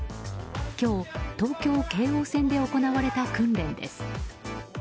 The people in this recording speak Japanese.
今日、東京・京王線で行われた訓練です。